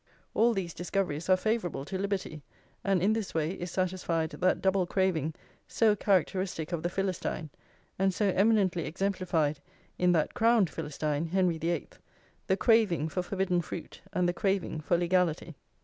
All these discoveries are favourable to liberty, and in this way is satisfied that double craving so characteristic of the Philistine, and so eminently exemplified in that crowned Philistine, Henry the Eighth, the craving for forbidden fruit and the craving for legality.